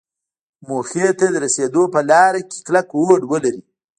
موخې ته د رسېدو په لاره کې کلک هوډ ولري.